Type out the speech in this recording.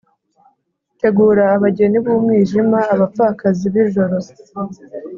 tegura abageni b'umwijima, abapfakazi b'ijoro